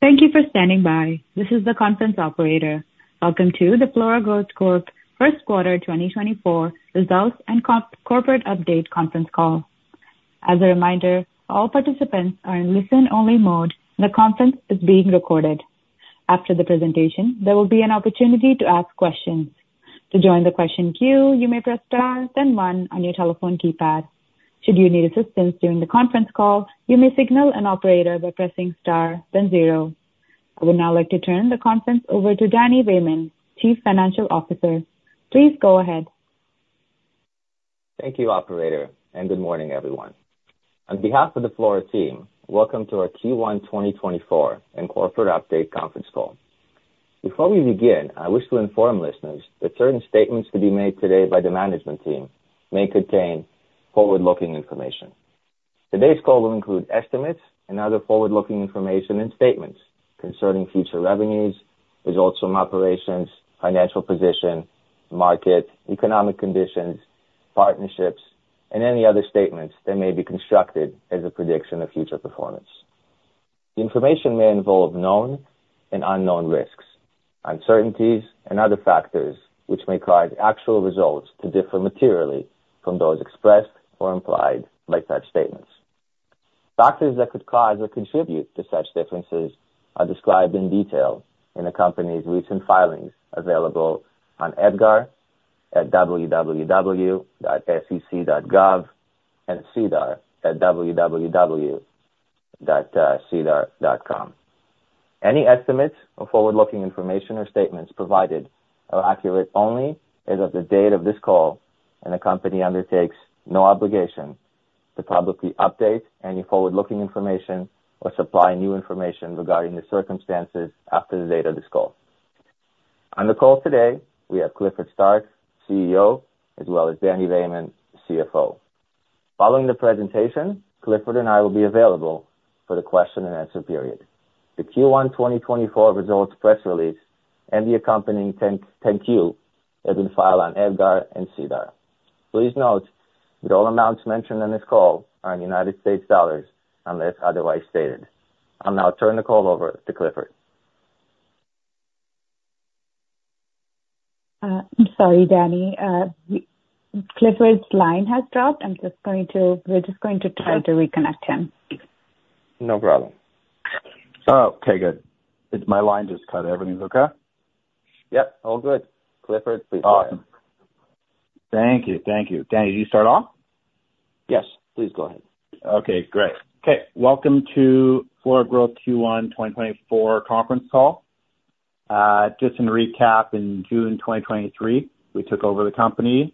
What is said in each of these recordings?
Thank you for standing by. This is the conference Operator. Welcome to the Flora Growth Corp first quarter 2024 results and corporate update conference call. As a reminder, all participants are in listen-only mode. The conference is being recorded. After the presentation, there will be an opportunity to ask questions. To join the question queue, you may press star, then one on your telephone keypad. Should you need assistance during the conference call, you may signal an operator by pressing star, then zero. I would now like to turn the conference over to Dany Vaiman, Chief Financial Officer. Please go ahead. Thank you, Operator, and good morning, everyone. On behalf of the Flora team, welcome to our Q1 2024 and corporate update conference call. Before we begin, I wish to inform listeners that certain statements to be made today by the management team may contain forward-looking information. Today's call will include estimates and other forward-looking information and statements concerning future revenues, results from operations, financial position, market, economic conditions, partnerships, and any other statements that may be constructed as a prediction of future performance. The information may involve known and unknown risks, uncertainties, and other factors which may cause actual results to differ materially from those expressed or implied by such statements. Factors that could cause or contribute to such differences are described in detail in the company's recent filings, available on EDGAR at www.sec.gov and SEDAR at www.sedar.com. Any estimates or forward-looking information or statements provided are accurate only as of the date of this call, and the company undertakes no obligation to publicly update any forward-looking information or supply new information regarding the circumstances after the date of this call. On the call today, we have Clifford Starke, CEO, as well as Dany Vaiman, CFO. Following the presentation, Clifford and I will be available for the question and answer period. The Q1 2024 results press release and the accompanying 10-Q have been filed on EDGAR and SEDAR. Please note that all amounts mentioned on this call are in United States dollars, unless otherwise stated. I'll now turn the call over to Clifford. I'm sorry, Dany. Clifford's line has dropped. I'm just going to. We're just going to try to reconnect him. No problem. Okay, good. My line just cut. Everything's okay? Yep, all good. Clifford, please go ahead. Awesome. Thank you. Thank you. Dany, did you start off? Yes, please go ahead. Okay, great. Okay, welcome to Flora Growth Q1 2024 conference call. Just to recap, in June 2023, we took over the company,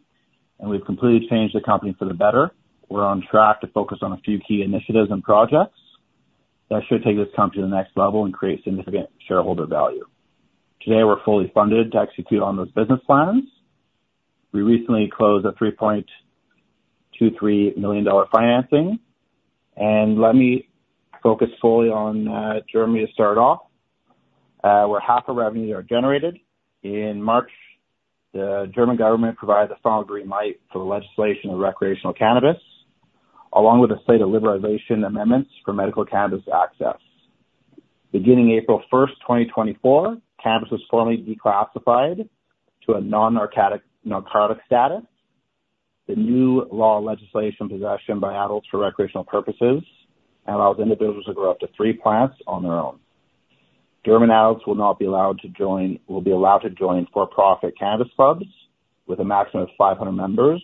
and we've completely changed the company for the better. We're on track to focus on a few key initiatives and projects that should take this company to the next level and create significant shareholder value. Today, we're fully funded to execute on those business plans. We recently closed a $3.23 million financing, and let me focus fully on Germany to start off, where half the revenues are generated. In March, the German government provided a final green light for the legislation of recreational cannabis, along with a state of liberalization amendments for medical cannabis access. Beginning April 1, 2024, cannabis was formally declassified to a non-narcotic status. The new legislation, possession by adults for recreational purposes, allows individuals to grow up to three plants on their own. German adults will be allowed to join for-profit cannabis clubs with a maximum of 500 members,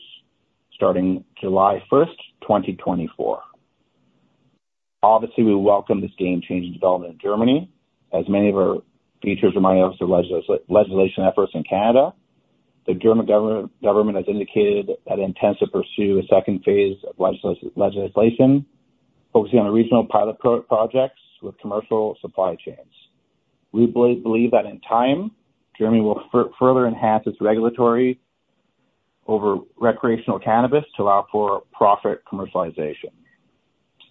starting July 1, 2024. Obviously, we welcome this game-changing development in Germany, as many of our features remind us of legislation efforts in Canada. The German government has indicated that it intends to pursue a second phase of legislation, focusing on regional pilot projects with commercial supply chains. We believe that in time, Germany will further enhance its regulatory over recreational cannabis to allow for profit commercialization.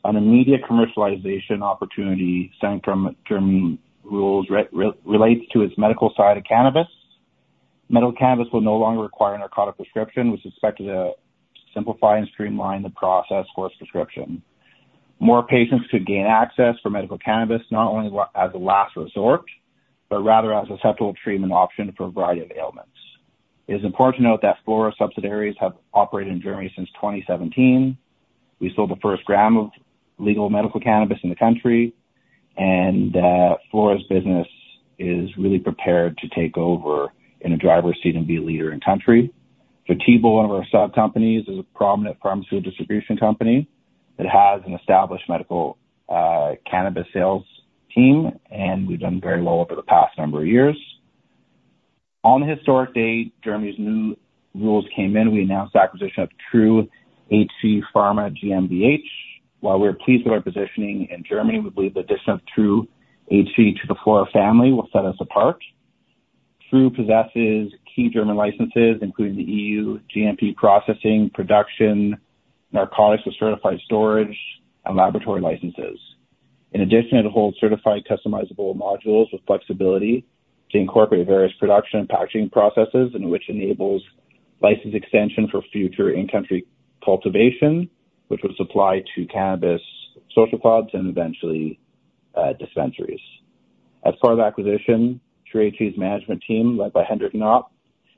An immediate commercialization opportunity stemming from German rules relates to its medical side of cannabis. Medical cannabis will no longer require a narcotic prescription, which is expected to simplify and streamline the process for prescription. More patients could gain access for medical cannabis, not only as a last resort, but rather as an acceptable treatment option for a variety of ailments. It is important to note that Flora subsidiaries have operated in Germany since 2017. We sold the first gram of legal medical cannabis in the country, and Flora's business is really prepared to take over in a driver's seat and be a leader in country. Phatebo, one of our sub-companies, is a prominent pharmaceutical distribution company that has an established medical cannabis sales team, and we've done very well over the past number of years. On the historic date, Germany's new rules came in, we announced the acquisition of TruHC Pharma GmbH. While we are pleased with our positioning in Germany, we believe the addition of TruHC to the Flora family will set us apart. TruHC possesses key German licenses, including the EU-GMP processing, production, narcotics with certified storage and laboratory licenses. In addition, it holds certified customizable modules with flexibility to incorporate various production and packaging processes, and which enables license extension for future in-country cultivation, which would supply to cannabis social clubs and eventually dispensaries. As part of the acquisition, TruHC's management team, led by Hendrik Knopp,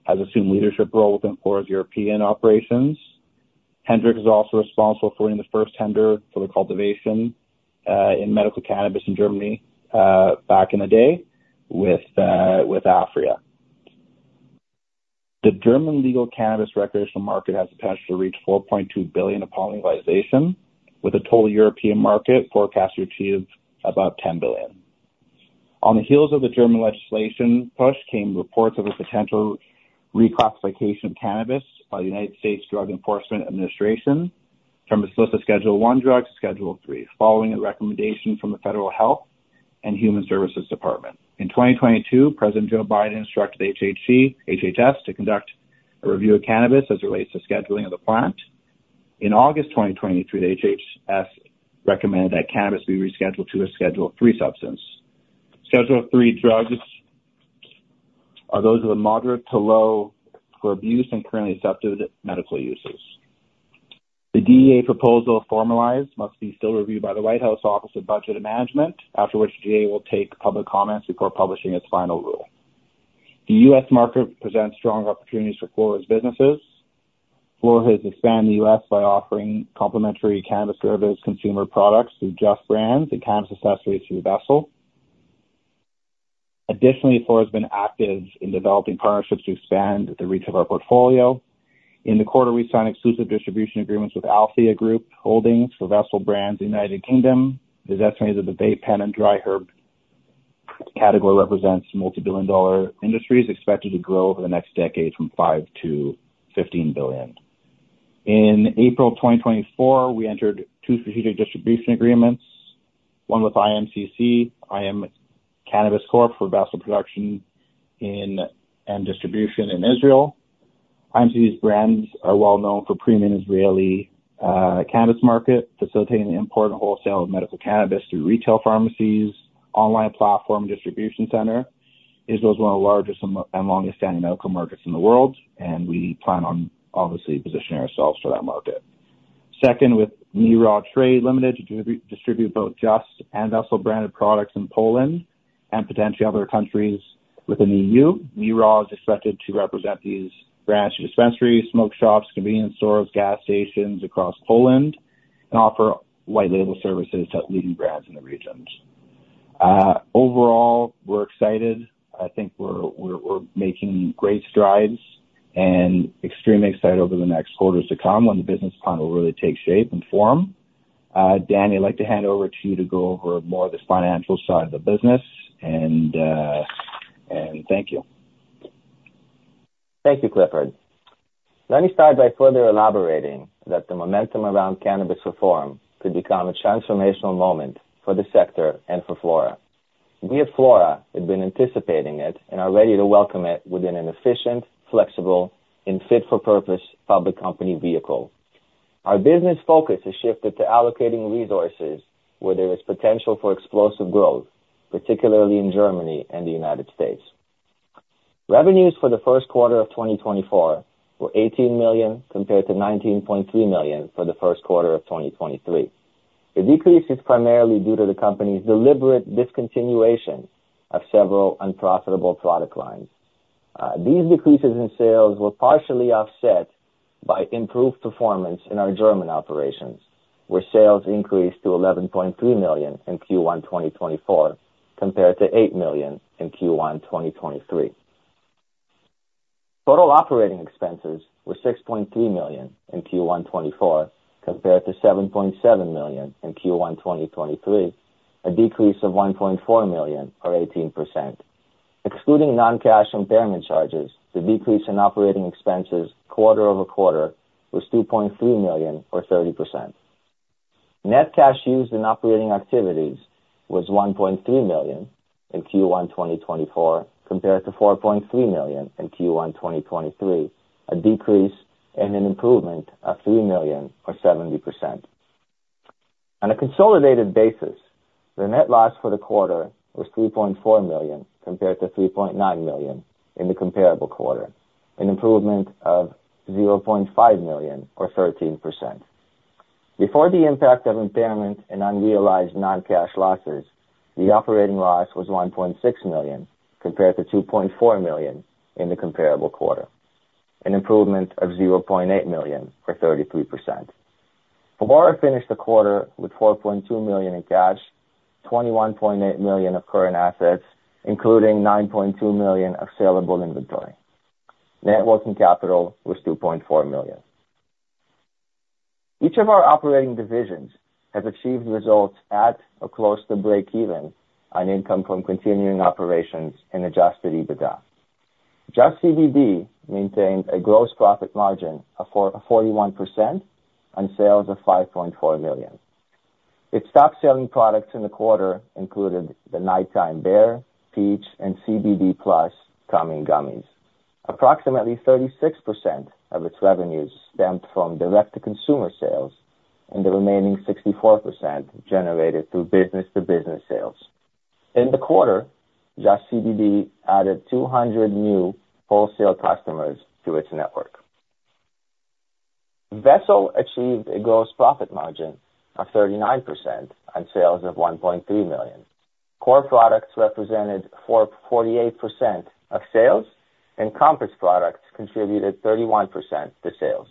has assumed leadership role within Flora's European operations. Hendrik is also responsible for winning the first tender for the cultivation in medical cannabis in Germany back in the day with Aphria. The German legal cannabis recreational market has the potential to reach $4.2 billion upon legalization, with a total European market forecast to achieve about $10 billion. On the heels of the German legislation, but came reports of a potential reclassification of cannabis by the U.S. Drug Enforcement Administration from a Schedule I drug to Schedule III, following a recommendation from the U.S. Department of Health and Human Services. In 2022, President Joe Biden instructed HHS to conduct a review of cannabis as it relates to scheduling of the plant. In August 2022, the HHS recommended that cannabis be rescheduled to a Schedule III substance. Schedule III drugs are those with a moderate to low potential for abuse and currently accepted medical uses. The DEA proposal, formalized, must still be reviewed by the White House Office of Management and Budget, after which the DEA will take public comments before publishing its final rule. The U.S. market presents strong opportunities for Flora's businesses. Flora has expanded the U.S. by offering complementary cannabis service consumer products through Just Brands and cannabis accessories through Vessel. Additionally, Flora has been active in developing partnerships to expand the reach of our portfolio. In the quarter, we signed exclusive distribution agreements with Althea Group Holdings for Vessel brands in United Kingdom. It is estimated that the vape, pen and dry herb category represents multi-billion dollar industries, expected to grow over the next decade from $5 billion-$15 billion. In April 2024, we entered two strategic distribution agreements, one with IMCC, IM Cannabis Corp, for Vessel production in and distribution in Israel. IMCC's brands are well known for premium Israeli cannabis market, facilitating the import and wholesale of medical cannabis through retail pharmacies, online platform, distribution center. Israel is one of the largest and most longest standing medical markets in the world, and we plan on obviously positioning ourselves for that market. Second, with Me Raw Trade Ltd., to distribute both Just and Vessel branded products in Poland and potentially other countries within the EU. Me Raw is expected to represent these branch dispensaries, smoke shops, convenience stores, gas stations across Poland, and offer white label services to leading brands in the region. Overall, we're excited. I think we're making great strides and extremely excited over the next quarters to come when the business plan will really take shape and form. Dan, I'd like to hand over to you to go over more of this financial side of the business, and thank you. Thank you, Clifford. Let me start by further elaborating that the momentum around cannabis reform could become a transformational moment for the sector and for Flora. We at Flora have been anticipating it and are ready to welcome it within an efficient, flexible, and fit-for-purpose public company vehicle. Our business focus has shifted to allocating resources where there is potential for explosive growth, particularly in Germany and the United States. Revenues for the first quarter of 2024 were $18 million, compared to $19.3 million for the first quarter of 2023. The decrease is primarily due to the company's deliberate discontinuation of several unprofitable product lines. These decreases in sales were partially offset by improved performance in our German operations, where sales increased to $11.3 million in Q1 2024, compared to $8 million in Q1 2023. Total operating expenses were $6.3 million in Q1 2024, compared to $7.7 million in Q1 2023, a decrease of $1.4 million or 18%. Excluding non-cash impairment charges, the decrease in operating expenses quarter-over-quarter was $2.3 million or 30%. Net cash used in operating activities was $1.3 million in Q1 2024, compared to $4.3 million in Q1 2023, a decrease and an improvement of $3 million or 70%. On a consolidated basis, the net loss for the quarter was $3.4 million, compared to $3.9 million in the comparable quarter, an improvement of $0.5 million or 13%. Before the impact of impairment and unrealized non-cash losses, the operating loss was $1.6 million, compared to $2.4 million in the comparable quarter, an improvement of $0.8 million or 33%. Flora finished the quarter with $4.2 million in cash, $21.8 million of current assets, including $9.2 million of sellable inventory. Net working capital was $2.4 million. Each of our operating divisions has achieved results at or close to breakeven on income from continuing operations and adjusted EBITDA. JustCBD maintained a gross profit margin of 41% on sales of $5.4 million. Its top-selling products in the quarter included the Nighttime Bear, Peach, and CBD Plus Calming Gummies. Approximately 36% of its revenues stemmed from direct-to-consumer sales, and the remaining 64% generated through business-to-business sales. In the quarter, JustCBD added 200 new wholesale customers to its network. Vessel achieved a gross profit margin of 39% on sales of $1.3 million. Core products represented 44.8% of sales, and Compass products contributed 31% to sales.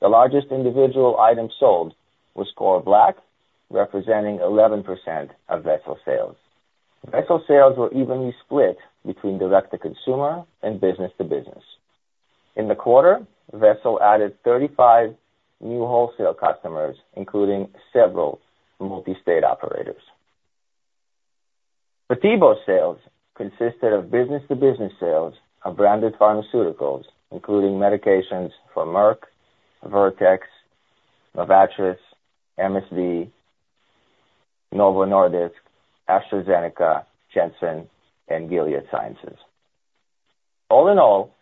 The largest individual item sold was Core Black, representing 11% of Vessel sales. Vessel sales were evenly split between direct-to-consumer and business-to-business. In the quarter, Vessel added 35 new wholesale customers, including several multi-state operators. Phatebo sales consisted of business-to-business sales of branded pharmaceuticals, including medications from Merck, Vertex, Novartis, MSD, Novo Nordisk, AstraZeneca, Janssen, and Gilead Sciences. All in all,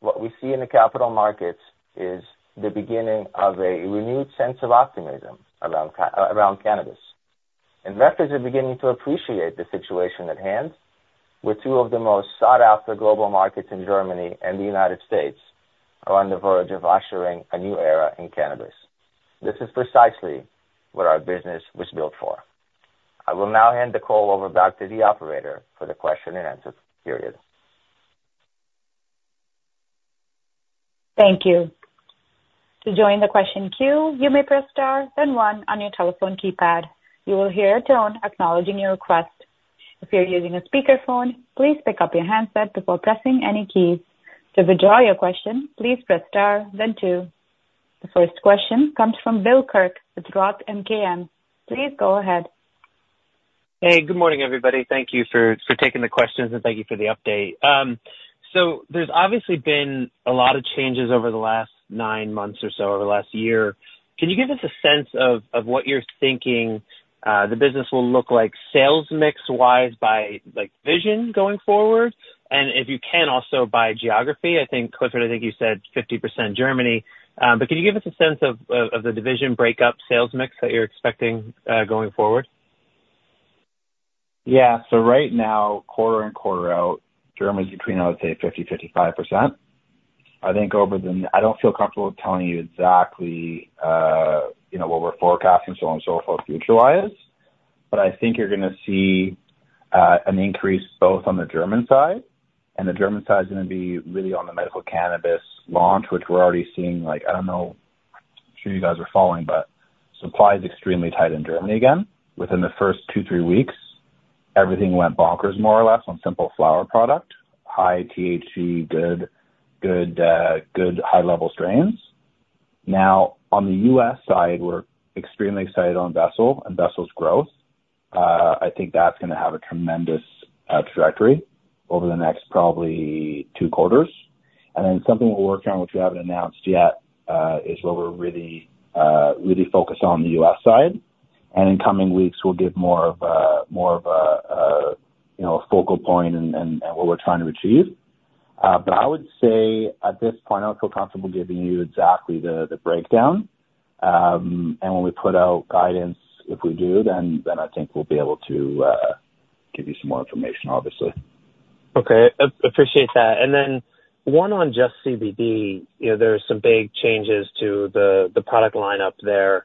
what we see in the capital markets is the beginning of a renewed sense of optimism around cannabis. Investors are beginning to appreciate the situation at hand, with two of the most sought after global markets in Germany and the United States on the verge of ushering a new era in cannabis. This is precisely what our business was built for. I will now hand the call over back to the operator for the question and answer period. Thank you. To join the question queue, you may press star then one on your telephone keypad. You will hear a tone acknowledging your request. If you're using a speakerphone, please pick up your handset before pressing any keys. To withdraw your question, please press star then two. The first question comes from Bill Kirk with Roth MKM. Please go ahead. Hey, good morning, everybody. Thank you for taking the questions, and thank you for the update. So there's obviously been a lot of changes over the last nine months or so, over the last year. Can you give us a sense of what you're thinking the business will look like sales mix wise by, like, division going forward? And if you can, also by geography. I think, Clifford, I think you said 50% Germany. But can you give us a sense of the division breakdown sales mix that you're expecting going forward? Yeah. So right now, quarter-over-quarter, Germany's between, I would say, 50-55%. I think over the... I don't feel comfortable telling you exactly, you know, what we're forecasting so on and so forth future wise, but I think you're gonna see an increase both on the German side, and the German side is gonna be really on the medical cannabis launch, which we're already seeing. Like, I don't know, I'm sure you guys are following, but supply is extremely tight in Germany again. Within the first two to three weeks, everything went bonkers, more or less, on simple flower product, high THC, good, good, good high-level strains. Now, on the U.S. side, we're extremely excited on Vessel and Vessel's growth. I think that's gonna have a tremendous trajectory over the next probably two quarters. Then something we're working on, which we haven't announced yet, is what we're really, really focused on the U.S. side. In coming weeks, we'll give more of a, you know, a focal point and what we're trying to achieve. But I would say at this point, I don't feel comfortable giving you exactly the breakdown. When we put out guidance, if we do, then I think we'll be able to give you some more information, obviously. Okay, appreciate that. And then one on JustCBD, you know, there are some big changes to the product lineup there.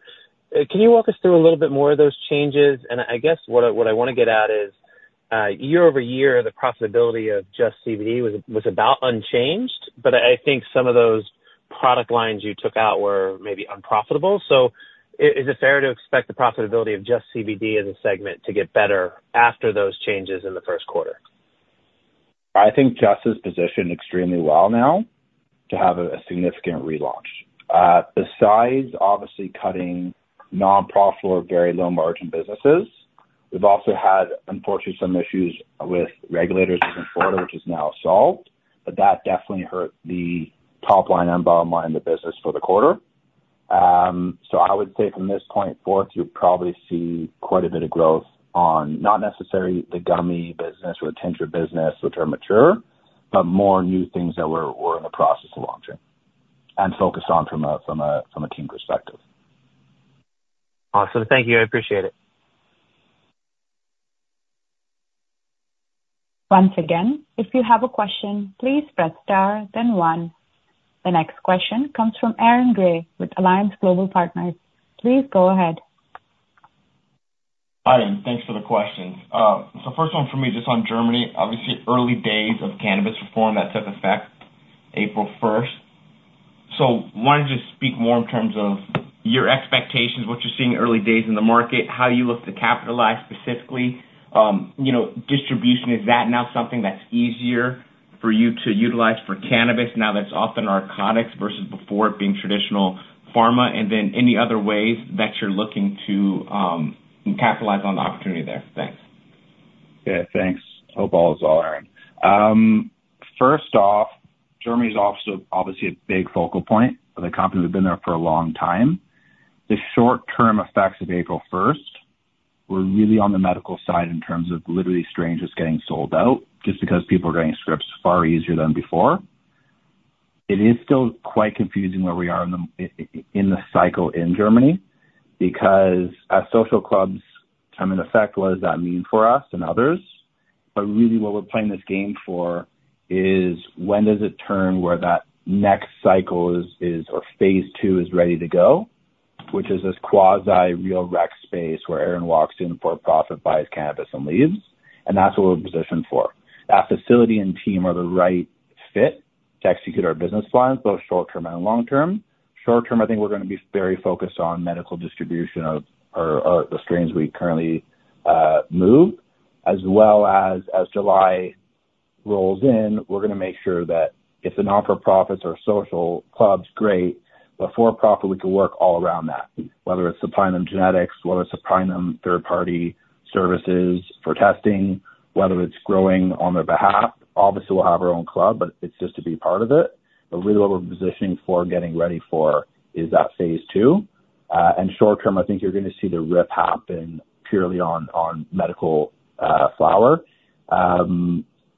Can you walk us through a little bit more of those changes? And I guess what I wanna get at is, year over year, the profitability of JustCBD was about unchanged, but I think some of those product lines you took out were maybe unprofitable. So is it fair to expect the profitability of JustCBD as a segment to get better after those changes in the first quarter? I think Just is positioned extremely well now to have a significant relaunch. Besides obviously cutting non-profitable or very low margin businesses, we've also had, unfortunately, some issues with regulators in Florida, which is now solved, but that definitely hurt the top line and bottom line of the business for the quarter. So I would say from this point forth, you'll probably see quite a bit of growth on not necessarily the gummy business or the tincture business, which are mature, but more new things that we're in the process of launching and focus on from a team perspective. Awesome. Thank you. I appreciate it. Once again, if you have a question, please press star then one. The next question comes from Aaron Gray with Alliance Global Partners. Please go ahead. Hi, and thanks for the questions. So first one for me, just on Germany. Obviously, early days of cannabis reform that took effect April first. So wanted to speak more in terms of your expectations, what you're seeing early days in the market, how you look to capitalize specifically, you know, distribution, is that now something that's easier for you to utilize for cannabis now that's non-narcotics versus before it being traditional pharma? And then any other ways that you're looking to capitalize on the opportunity there? Thanks. Yeah, thanks. Hope all is well, Aaron. First off, Germany is obviously, obviously a big focal point for the company. We've been there for a long time. The short-term effects of April first were really on the medical side in terms of literally strains just getting sold out just because people are getting scripts far easier than before. It is still quite confusing where we are in the cycle in Germany, because as social clubs come in effect, what does that mean for us and others? But really what we're playing this game for is when does it turn where that next cycle is or phase II is ready to go, which is this quasi-real rec space where Aaron walks in, for-profit, buys cannabis and leaves, and that's what we're positioned for. That facility and team are the right fit to execute our business plans, both short term and long term. Short term, I think we're going to be very focused on medical distribution of the strains we currently move, as well as, as July rolls in, we're going to make sure that if the not-for-profits or social clubs, great, but for-profit, we can work all around that, whether it's supplying them genetics, whether it's supplying them third-party services for testing, whether it's growing on their behalf. Obviously, we'll have our own club, but it's just to be part of it. But really what we're positioning for, getting ready for is that phase II. And short term, I think you're going to see the rip happen purely on medical flower.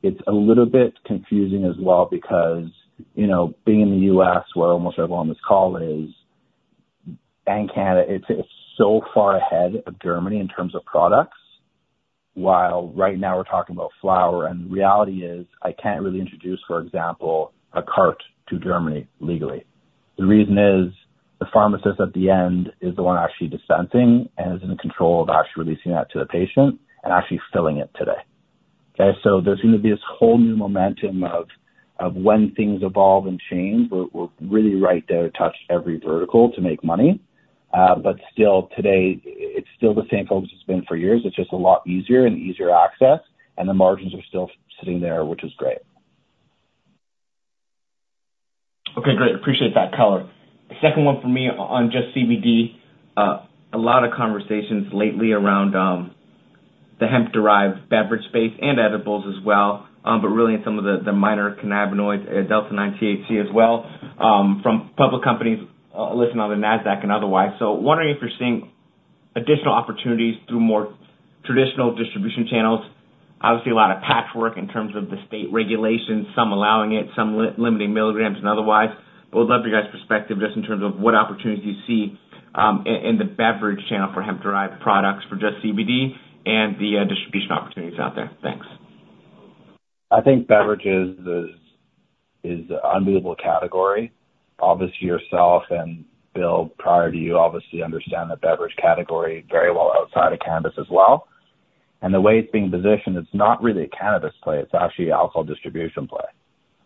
It's a little bit confusing as well, because, you know, being in the U.S., where almost everyone on this call is, and Canada, it's, it's so far ahead of Germany in terms of products, while right now we're talking about flower. And the reality is, I can't really introduce, for example, a cart to Germany legally. The reason is, the pharmacist at the end is the one actually dispensing and is in control of actually releasing that to the patient and actually filling it today. Okay? So there seems to be this whole new momentum of, of when things evolve and change, we're, we're really right there to touch every vertical to make money. But still, today, it's still the same folks it's been for years. It's just a lot easier and easier access, and the margins are still sitting there, which is great. Okay, great. Appreciate that color. The second one for me on JustCBD. A lot of conversations lately around the hemp-derived beverage space and edibles as well, but really in some of the minor cannabinoids, delta-9 THC as well, from public companies listed on the Nasdaq and otherwise. So wondering if you're seeing additional opportunities through more traditional distribution channels. Obviously, a lot of patchwork in terms of the state regulations, some allowing it, some limiting milligrams and otherwise. But would love you guys' perspective just in terms of what opportunities you see in the beverage channel for hemp-derived products, for JustCBD and the distribution opportunities out there. Thanks. I think beverages is an unbelievable category. Obviously, yourself and Bill, prior to you, obviously understand the beverage category very well outside of cannabis as well. And the way it's being positioned, it's not really a cannabis play, it's actually an alcohol distribution play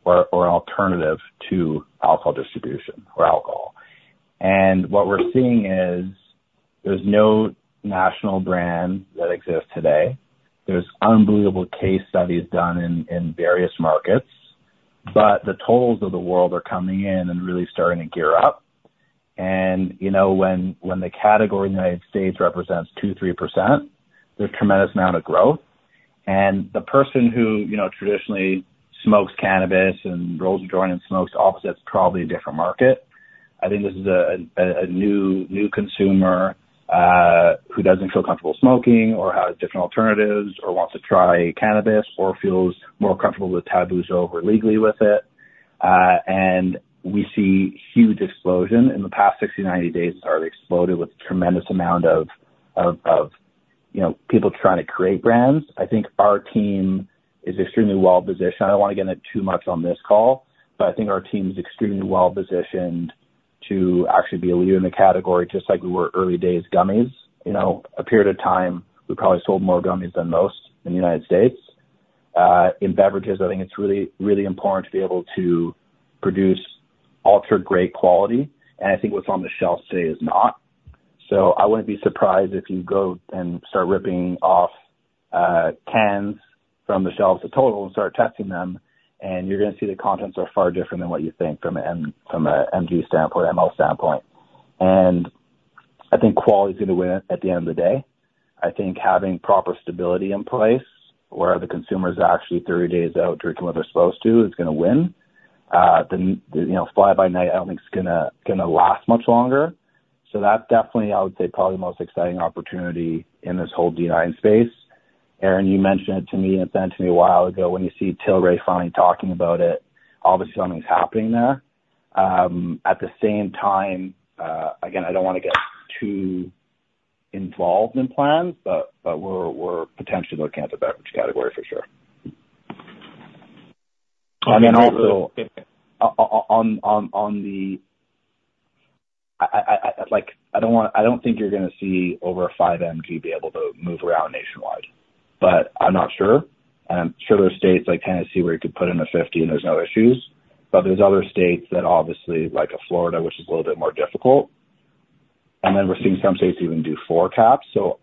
or an alternative to alcohol distribution or alcohol. And what we're seeing is, there's no national brand that exists today. There's unbelievable case studies done in various markets, but the Total Wines of the world are coming in and really starting to gear up. And, you know, when the category in the United States represents 2-3%, there's a tremendous amount of growth. And the person who, you know, traditionally smokes cannabis and rolls a joint and smokes opposites, probably a different market. I think this is a new consumer who doesn't feel comfortable smoking or has different alternatives, or wants to try cannabis, or feels more comfortable with taboos over legally with it. And we see huge explosion. In the past 60, 90 days, it's already exploded with tremendous amount of, you know, people trying to create brands. I think our team is extremely well positioned. I don't want to get into too much on this call, but I think our team is extremely well positioned to actually be a leader in the category, just like we were early days gummies. You know, a period of time, we probably sold more gummies than most in the United States. In beverages, I think it's really, really important to be able to produce ultra great quality, and I think what's on the shelves today is not. So I wouldn't be surprised if you go and start ripping off cans from the shelves of Total and start testing them, and you're going to see the contents are far different than what you think from a MG standpoint, ML standpoint. And I think quality is going to win at the end of the day. I think having proper stability in place, where the consumer is actually 30 days out, drinking what they're supposed to, is going to win. You know, fly by night, I don't think it's gonna last much longer. So that's definitely, I would say, probably the most exciting opportunity in this whole Delta-9 space. Aaron, you mentioned it to me, and it's been to me a while ago, when you see Tilray finally talking about it, obviously something's happening there. At the same time, again, I don't want to get too involved in plans, but we're potentially looking at the beverage category for sure. And then also, on the... like, I don't want- I don't think you're going to see over a five MG be able to move around nationwide, but I'm not sure. I'm sure there are states like Tennessee, where you could put in a 50 and there's no issues, but there's other states that obviously, like a Florida, which is a little bit more difficult. And then we're seeing some states even do four caps. So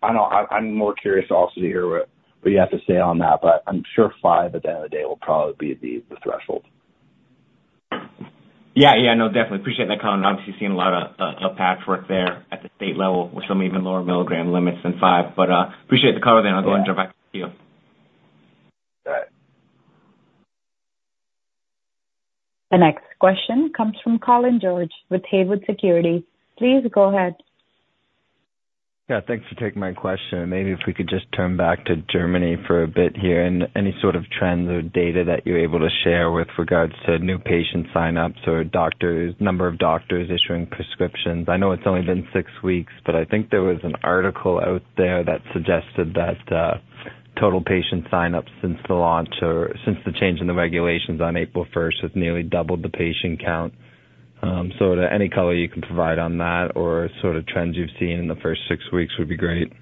I don't know, I'm more curious also to hear what you have to say on that, but I'm sure five, at the end of the day, will probably be the threshold. Yeah. Yeah, no, definitely appreciate that comment. Obviously, seeing a lot of patchwork there at the state level, with some even lower milligram limits than five. But, appreciate the color then. I'll go and jump back to you. Got it. The next question comes from Colin George with Haywood Securities. Please go ahead. .Yeah, thanks for taking my question. Maybe if we could just turn back to Germany for a bit here, and any sort of trends or data that you're able to share with regards to new patient signups or doctors, number of doctors issuing prescriptions. I know it's only been six weeks, but I think there was an article out there that suggested that total patient signups since the launch or since the change in the regulations on April 1 have nearly doubled the patient count. So any color you can provide on that or sort of trends you've seen in the first six weeks would be great.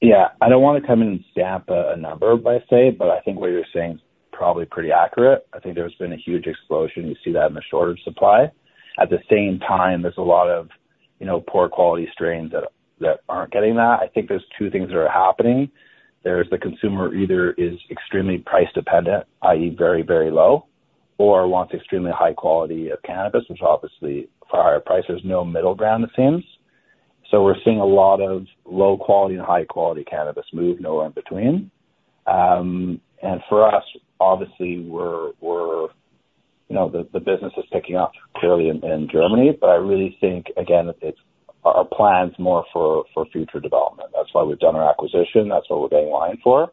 Yeah, I don't want to come in and stamp a number per se, but I think what you're saying is probably pretty accurate. I think there's been a huge explosion. You see that in the shortage supply. At the same time, there's a lot of, you know, poor quality strains that aren't getting that. I think there's two things that are happening. There's the consumer either is extremely price dependent, i.e., very, very low, or wants extremely high quality of cannabis, which obviously for a higher price, there's no middle ground, it seems. So we're seeing a lot of low quality and high quality cannabis move, nowhere in between. And for us, obviously, we're you know, the business is picking up clearly in Germany, but I really think, again, it's our plans more for future development. That's why we've done our acquisition, that's what we're getting lined for.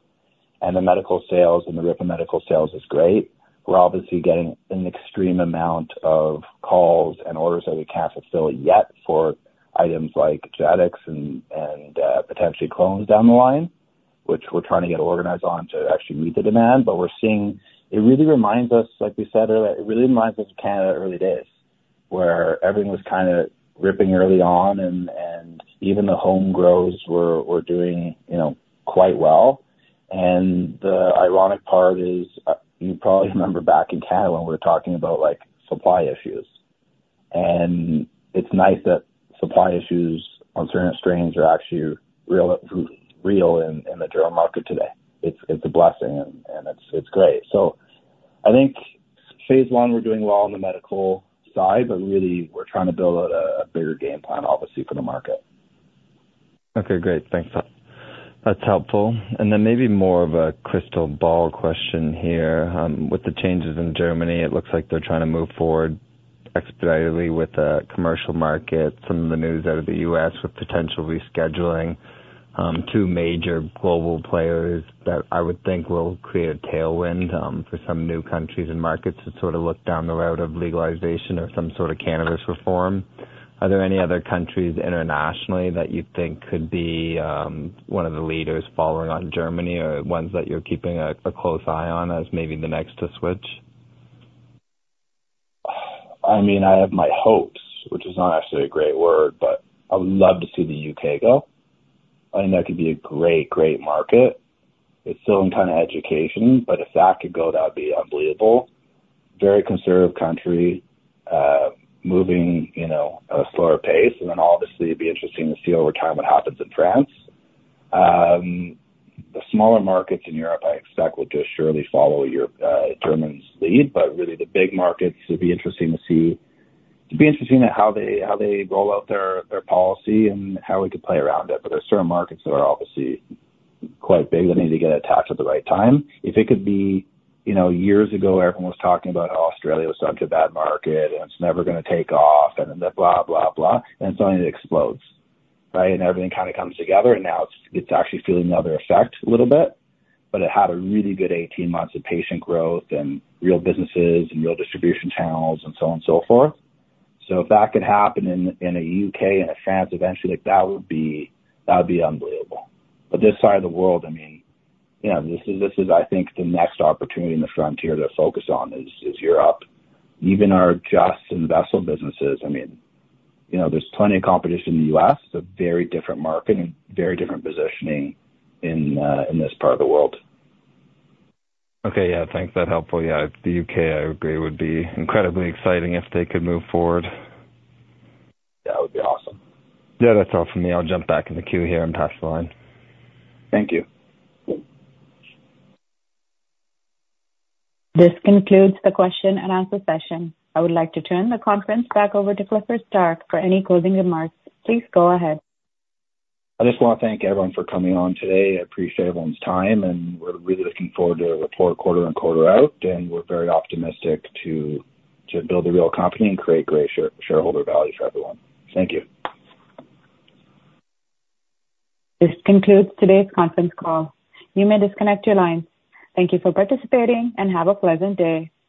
And the medical sales and the rip in medical sales is great. We're obviously getting an extreme amount of calls and orders that we can't fulfill yet for items like genetics and potentially clones down the line, which we're trying to get organized on to actually meet the demand. But we're seeing... It really reminds us, like we said earlier, it really reminds us of Canada early days, where everything was kind of ripping early on and even the home grows were doing, you know, quite well. And the ironic part is, you probably remember back in Canada when we were talking about, like, supply issues. And it's nice that supply issues on certain strains are actually real in the German market today. It's a blessing, and it's great. So I think phase I, we're doing well on the medical side, but really, we're trying to build out a bigger game plan, obviously, for the market. Okay, great. Thanks. That's helpful. And then maybe more of a crystal ball question here. With the changes in Germany, it looks like they're trying to move forward expeditiously with the commercial market. Some of the news out of the U.S. with potential rescheduling, two major global players that I would think will create a tailwind, for some new countries and markets to sort of look down the road of legalization or some sort of cannabis reform. Are there any other countries internationally that you think could be, one of the leaders following on Germany, or ones that you're keeping a close eye on as maybe the next to switch? I mean, I have my hopes, which is not actually a great word, but I would love to see the U.K. go. I think that could be a great, great market. It's still in kind of education, but if that could go, that would be unbelievable. Very conservative country, moving, you know, at a slower pace. And then obviously, it'd be interesting to see over time what happens in France. The smaller markets in Europe, I expect, will just surely follow Germany's lead, but really, the big markets, it'll be interesting to see. It'd be interesting at how they, how they roll out their, their policy and how we could play around it. But there are certain markets that are obviously quite big, that need to get attached at the right time. If it could be, you know, years ago, everyone was talking about how Australia was such a bad market, and it's never gonna take off, and then blah, blah, blah, and suddenly it explodes, right? And everything kind of comes together, and now it's, it's actually feeling another effect a little bit. But it had a really good 18 months of patient growth and real businesses and real distribution channels and so on and so forth. So if that could happen in, in the U.K. and France eventually, that would be, that would be unbelievable. But this side of the world, I mean, you know, this is, this is, I think, the next opportunity in the frontier to focus on, is, is Europe. Even our just investment businesses, I mean, you know, there's plenty of competition in the U.S., a very different market and very different positioning in, in this part of the world. Okay, yeah. Thanks, that's helpful. Yeah, the U.K., I agree, would be incredibly exciting if they could move forward. That would be awesome. Yeah, that's all for me. I'll jump back in the queue here and pass the line. Thank you. This concludes the question and answer session. I would like to turn the conference back over to Clifford Starke for any closing remarks. Please go ahead. I just want to thank everyone for coming on today. I appreciate everyone's time, and we're really looking forward to report quarter and quarter out, and we're very optimistic to build a real company and create great shareholder value for everyone. Thank you. This concludes today's conference call. You may disconnect your lines. Thank you for participating and have a pleasant day.